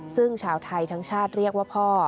ซึ่งชาวไทยทั้งชาติเรียกว่าพ่อ